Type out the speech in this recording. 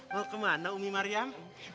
mau kemana umi maryam